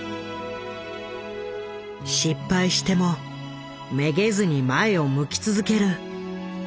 失敗してもめげずに前を向き続ける彼らのように。